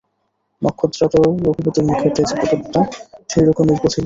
নক্ষত্ররায়ও রঘুপতির মুখের তেজে কতকটা সেইরকমই বঝিলেন।